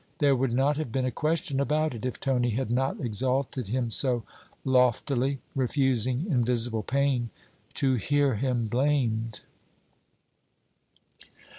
There would not have been a question about it if Tony had not exalted him so loftily, refusing, in visible pain, to hear him blamed.